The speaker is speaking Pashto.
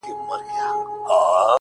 څنگ ته چي زه درغــــلـم.